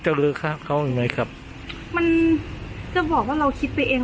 เจอเลยฮะเขาไอไหมครับมันจะบอกว่าเราคิดไปเอง